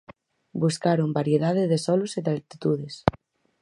Buscaron variedade de solos e de altitudes.